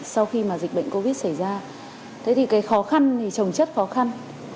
sau khi mà dịch bệnh covid xảy ra thế thì cái khó khăn thì trồng chất khó khăn